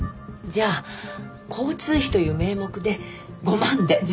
じゃあ交通費という名目で５万で。